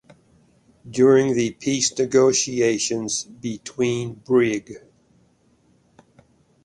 During the peace negotiations between Brig.